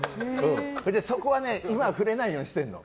それで、そこは今は触れないようにしてるの。